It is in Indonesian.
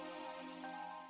kamu siap hendaru